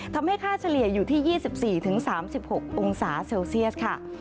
ค่าเฉลี่ยอยู่ที่๒๔๓๖องศาเซลเซียสค่ะ